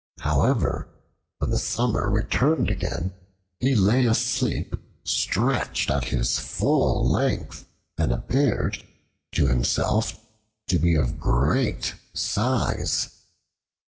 However when the summer returned again, he lay asleep stretched at his full length and appeared to himself to be of a great size.